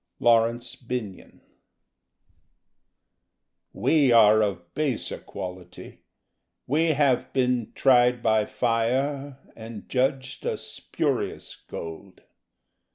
_ (Laurence Binyon) We are of baser quality: we have been Tried by fire and judged a spurious gold.